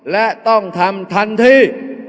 และต้องทำทันที